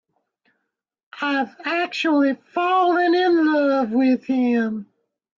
I've actually fallen in love with him.